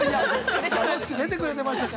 ◆楽しく出てくれてましたし。